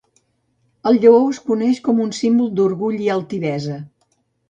El lleó es coneix com un símbol d'orgull i altivesa.